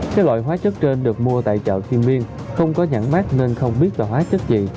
cái loại hóa chất trên được mua tại chợ thiên viên không có nhẵn mát nên không biết là hóa chất gì